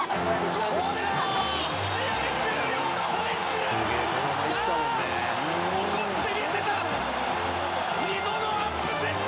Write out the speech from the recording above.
ここで試合終了のホイッスル！起こして見せた２度のアップセット！